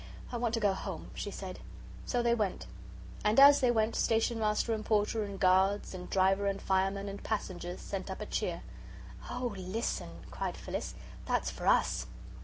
I want to go home," she said. So they went. And as they went Station Master and Porter and guards and driver and fireman and passengers sent up a cheer. "Oh, listen," cried Phyllis; "that's for US!"